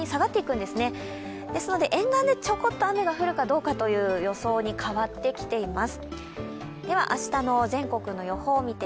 ですので沿岸でちょこっと雨が降るかどうかの予想に変わってきています。